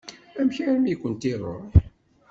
Amek armi i kent-iṛuḥ?